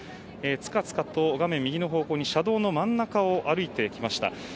つかつかと画面右の方向に車道の真ん中を歩いてきました。